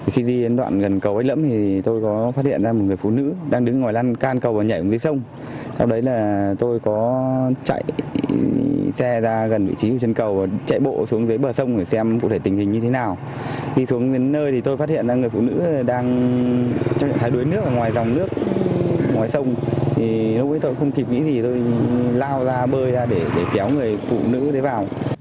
không kịp nghĩ gì thôi lao ra bơi ra để kéo người phụ nữ đấy vào